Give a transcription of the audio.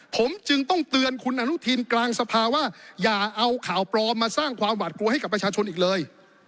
ผมจึงต้องเตือนคุณอนุทินกลางสภาว่าอย่าเอาข่าวปลอมมาสร้างความหวาดกลัวให้กับประชาชนอีกเลย